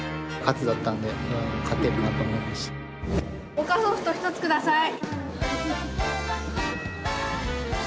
モカソフト１つ下さい！